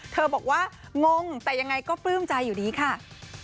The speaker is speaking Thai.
บอกว่างงแต่ยังไงก็ปลื้มใจอยู่ดีค่ะ